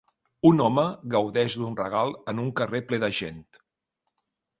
Un home gaudeix d'un regal en un carrer ple de gent.